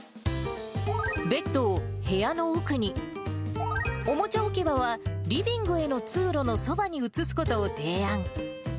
ベッドを部屋の奥に、おもちゃ置き場は、リビングへの通路のそばに置くことを提案。